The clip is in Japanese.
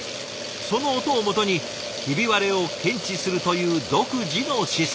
その音をもとにヒビ割れを検知するという独自のシステム。